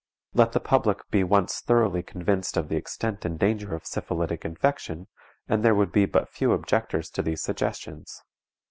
Let the public be once thoroughly convinced of the extent and danger of syphilitic infection, and there would be but few objectors to these suggestions.